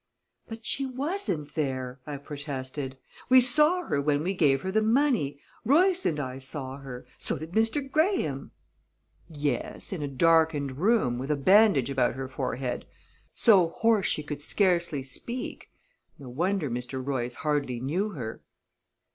"But she wasn't there!" I protested. "We saw her when we gave her the money. Royce and I saw her so did Mr. Graham." "Yes in a darkened room, with a bandage about her forehead; so hoarse she could scarcely speak. No wonder Mr. Royce hardly knew her!"